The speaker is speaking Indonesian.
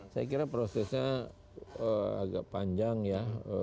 saya kira prosesnya agak panjang ya